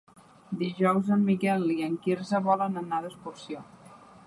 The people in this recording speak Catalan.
Dijous en Miquel i en Quirze volen anar d'excursió.